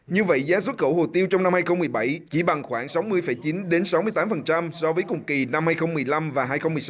như vậy giá xuất khẩu hồ tiêu trong năm hai nghìn một mươi bảy chỉ bằng khoảng sáu mươi chín sáu mươi tám so với cùng kỳ năm hai nghìn một mươi năm và hai nghìn một mươi sáu